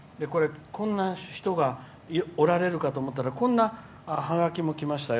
こんな人がおられるかと思ったら、こんなハガキも。